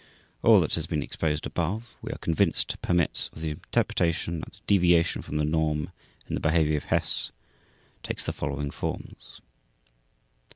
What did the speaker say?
All that has been exposed above, we are convinced, permits of the interpretation that the deviation from the norm in the behavior of Hess takes the following forms: 1.